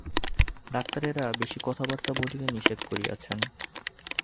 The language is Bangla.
ডাক্তারেরা বেশী কথাবার্তা বলিতে নিষেধ করিয়াছেন।